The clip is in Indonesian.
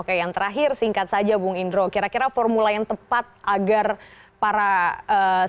oke yang terakhir singkat saja bung indro kira kira formula yang tepat agar para calon